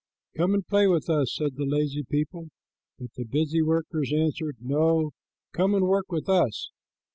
"Come and play with us," said the lazy people, but the busy workers answered, "No, come and work with us.